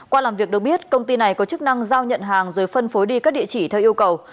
qua làm việc được biết công ty này có chức năng giao nhận hàng rồi phân phối đi các địa chỉ theo yêu cầu